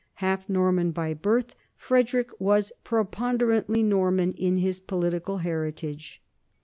Half Norman by birth, Fred erick was preponderantly Norman in his political herit age.